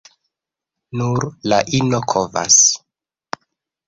Nur la ino kovas.